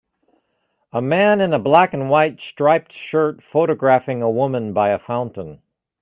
A man in a black and white striped shirt photographing a woman by a fountain.